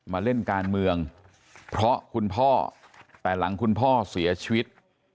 มาเล่นการเมืองเพราะคุณพ่อแต่หลังคุณพ่อเสียชีวิต